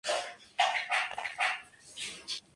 La rigidez de estas obras impresionó a los críticos.